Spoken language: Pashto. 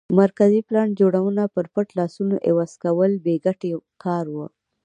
مرکزي پلان جوړونه پر پټ لاسونو عوض کول بې ګټه کار و